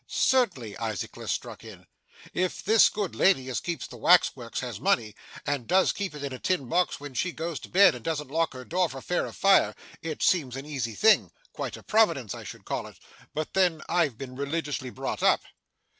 'Certainly,' Isaac List struck in, 'if this good lady as keeps the wax works has money, and does keep it in a tin box when she goes to bed, and doesn't lock her door for fear of fire, it seems a easy thing; quite a Providence, I should call it but then I've been religiously brought up.